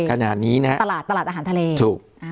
ขนาดนี้นะฮะตลาดตลาดอาหารทะเลถูก